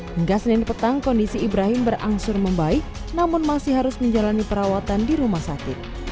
hingga senin petang kondisi ibrahim berangsur membaik namun masih harus menjalani perawatan di rumah sakit